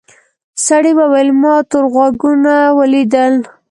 سړي وویل ما تور غوږونه ولیدل.